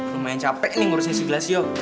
lumayan capek nih ngurusin si glasio